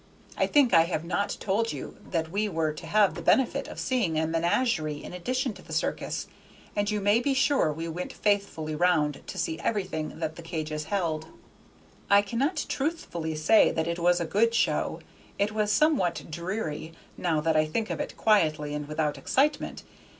I think I have not told you that we were to have the benefit of seeing a menagerie in addition to the circus, and you may be sure we went faithfully round to see everything that the cages held. I cannot truthfully say that it was a good show; it was somewhat dreary, now that I think of it quietly and without excitement.